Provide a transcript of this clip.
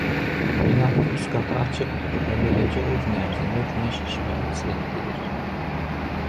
Binanın üst qatı açıqdır və beləcə o gün ərzində günəş işığını əks etdirir.